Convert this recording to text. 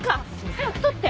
早く撮って！